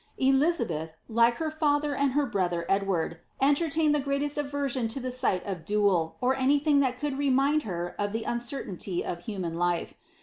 Elizabeth, like her father and her brother Edward, entertained the greatest aversion to the light of ^ doole," or anything that could remind her of the uncertainty of human life.